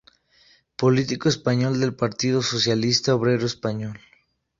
Político español del Partido Socialista Obrero Español.